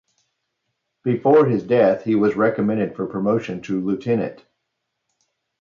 Before his death he was recommended for promotion to Leutnant.